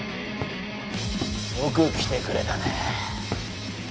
よく来てくれたね。